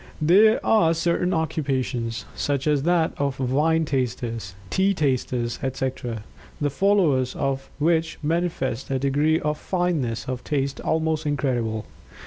There are certain occupations, such as that of wine tasters, tea tasters, etc., the followers of which manifest a degree of fineness of Taste almost incredible.